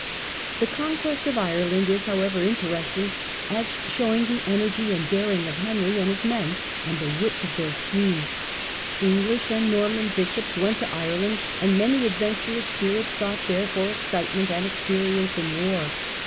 The conquest of Ireland is, however, interesting, as showing the energy and daring of Henry and his men, and the width of their schemes. English and Norman bishops went to Ireland, and many adventurous spirits sought there for excitement and experience in war.